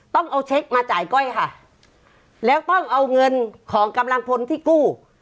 ต้องเอาเช็คมาจ่ายก้อยค่ะแล้วต้องเอาเงินของกำลังพลที่กู้